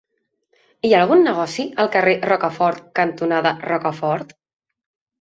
Hi ha algun negoci al carrer Rocafort cantonada Rocafort?